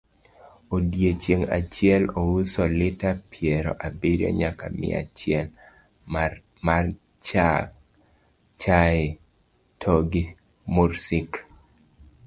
odiochieng' achiel ouso lita piero aboro nyaka mia achiel marchag chae togi mursik